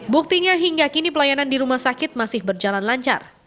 buktinya hingga kini pelayanan di rumah sakit masih berjalan lancar